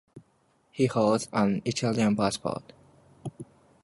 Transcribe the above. He holds an Italian passport.